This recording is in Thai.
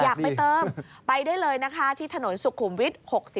อยากไปเติมไปได้เลยนะคะที่ถนนสุขุมวิทย์๖๔